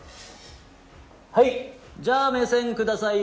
はいじゃあ目線ください。